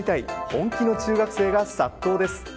本気の中学生が殺到です。